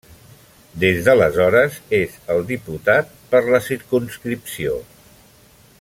Des d'aleshores és el diputat per la circumscripció.